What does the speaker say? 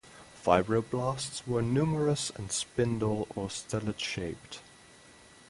Fibroblasts were numerous and spindle or stellate-shaped.